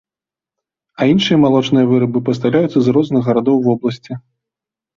А іншыя малочныя вырабы пастаўляюцца з розных гарадоў вобласці.